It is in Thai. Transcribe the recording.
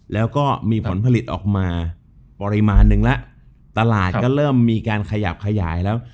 แล้วก็มีผลผลิตออกมาปริมาณหนึ่งแล้วตลาดก็เริ่มมีการขยับขยายแล้ว